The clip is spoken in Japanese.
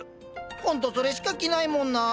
ほんとそれしか着ないもんなあ。